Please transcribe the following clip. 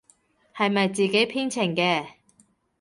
係咪自己編程嘅？